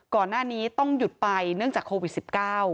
ก่อนหน้านี้ต้องหยุดไปเนื่องจากโควิด๑๙